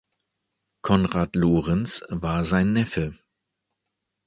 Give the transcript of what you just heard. Konrad Lorenz war sein Neffe.